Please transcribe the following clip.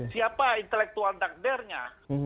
siapa intelektual takdernya